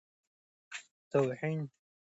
توهین او سپکاوی د کمزورۍ نښه ده.